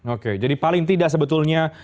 oke jadi paling tidak sebetulnya